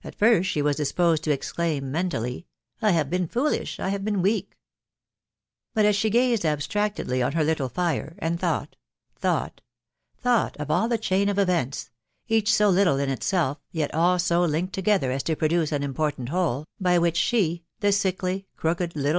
first, she was disposed to exclaim mentally, " I hare been foolish— I have been weakJ' .». But as she gazed abstractedly) on» her little fire, aodL thought — thought— thought of all the chain of events ( so little in itself, yet all so linked together a* to prodaoa important whole} ): by which she, the sickly, crooked,, little?